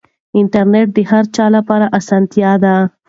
انټرنیټ د هر چا لپاره اسانتیا ده.